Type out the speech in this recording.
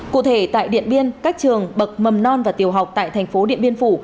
cụ thể tại điện biên các trường bậc mầm non và tiểu học tại tp điện biên phủ